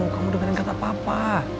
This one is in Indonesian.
kamu dengerin kata papa